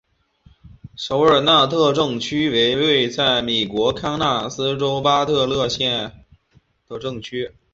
小沃尔纳特镇区为位在美国堪萨斯州巴特勒县的镇区。